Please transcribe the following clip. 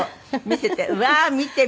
見せて。